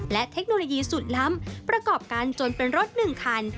และเทคโนโลยีสุดล้ำประกอบกันจนเป็นรถ๑คัน